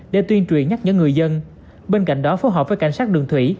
để tuyên truyền nhắc nhở người dân bên cạnh đó phối hợp với cảnh sát đường thủy